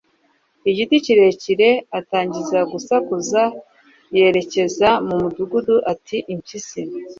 igiti kirekire, atangira gusakuza yerekeza mu mudugudu ati impyisi